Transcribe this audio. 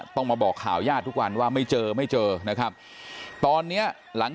ต้องมาบอกข่าวญาติทุกวันว่าไม่เจอไม่เจอนะครับตอนเนี้ยหลัง